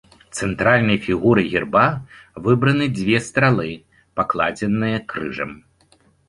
Цэнтральнай фігурай герба выбраны дзве стралы, пакладзеныя крыжам.